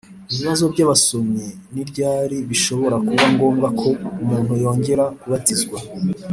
Ibibazo by abasomyi Ni ryari bishobora kuba ngombwa ko umuntu yongera kubatizwa